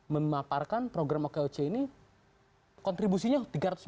memaparkan program oke oce ini kontribusinya tiga ratus miliar lebih